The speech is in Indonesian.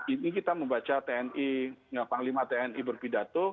ini kita membaca tni panglima tni berpidato